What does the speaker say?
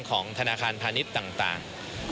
ของธนาคารพนิษฐ์ต่าง